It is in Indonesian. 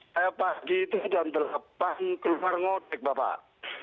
saya pagi itu sudah terlepah keluar ngotek bapak